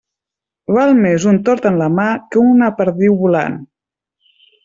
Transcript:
Val més un tord en la mà que una perdiu volant.